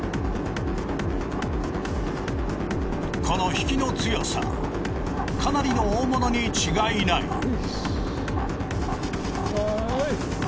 この引きの強さかなりの大物に違いない。